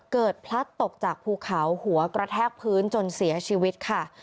พลัดตกจากภูเขาหัวกระแทกพื้นจนเสียชีวิตค่ะ